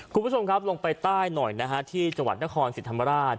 คุณผู้ชมครับลงไปใต้หน่อยนะฮะที่จังหวัดนครสิทธิ์ธรรมราช